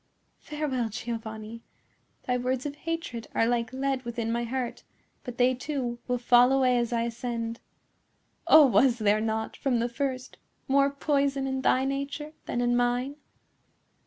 Farewell, Giovanni! Thy words of hatred are like lead within my heart; but they, too, will fall away as I ascend. Oh, was there not, from the first, more poison in thy nature than in mine?"